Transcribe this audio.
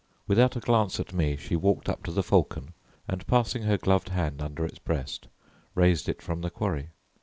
Without a glance at me she walked up to the falcon, and passing her gloved hand under its breast, raised it from the quarry.